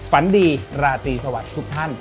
ฝันดีราตรีสวัสดีทุกท่าน